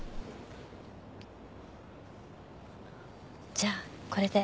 じゃこれで。